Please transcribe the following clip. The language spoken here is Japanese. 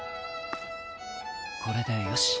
これでよし。